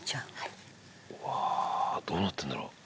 うわあどうなってるんだろう。